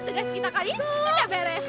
tegas kita kali ini kita beres